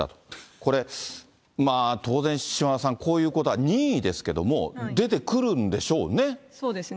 これ、当然島田さん、こういうことは任意ですけれども、出てくるんでしそうですね。